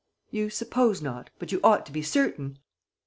"You suppose not? But you ought to be certain."